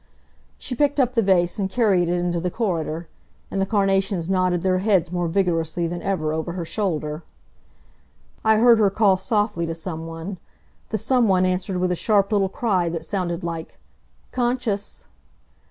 She picked up the vase and carried it into the corridor, and the carnations nodded their heads more vigorously than ever over her shoulder. I heard her call softly to some one. The some one answered with a sharp little cry that sounded like, "Conscious!"